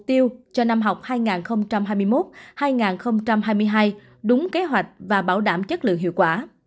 mục tiêu cho năm học hai nghìn hai mươi một hai nghìn hai mươi hai đúng kế hoạch và bảo đảm chất lượng hiệu quả